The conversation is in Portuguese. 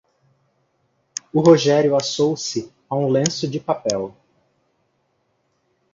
O Rogério assou-se a um lenço de papel.